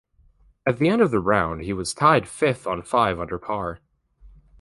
At the end of the round he was tied fifth on five under par.